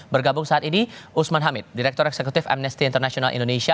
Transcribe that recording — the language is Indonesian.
bergabung saat ini usman hamid direktur eksekutif amnesty international indonesia